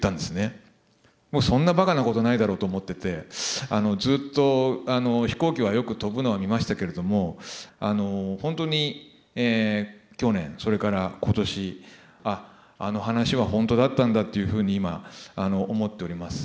そんなばかなことないだろうと思っててずっと飛行機はよく飛ぶのは見ましたけれども本当に去年それから今年あああの話は本当だったんだというふうに今思っております。